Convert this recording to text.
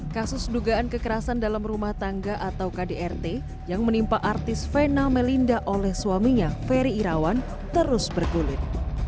kasus dugaan kekerasan dalam rumah tangga atau kdrt yang menimpa artis vena melinda oleh suaminya ferry irawan terus bergulit